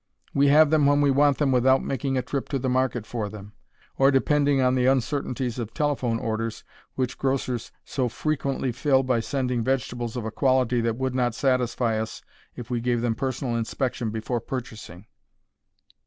We have them when we want them without making a trip to the market for them, or depending on the uncertainties of telephone orders which grocers so frequently fill by sending vegetables of a quality that would not satisfy us if we gave them personal inspection before purchasing.